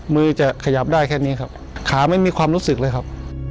มือจะขยับได้แค่นี้ครับขาไม่มีความรู้สึกเลยครับ